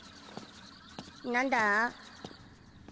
何だ？